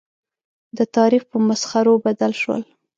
د تاریخ په مسخرو بدل شول.